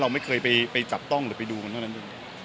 เราไม่เคยไปจับต้องหรือไปดูกันเท่านั้นเอง